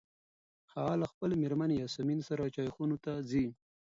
هغه له خپلې مېرمنې یاسمین سره چای خونو ته ځي.